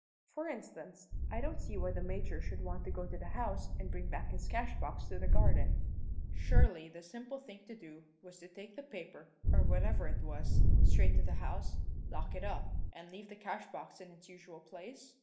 "For instance, I don't see why the Major should want to go to the house and bring back his cashbox to the garden. Surely the simple thing was to take the paper, or whatever it was, straight to the house, lock it up, and leave the cashbox in its usual place?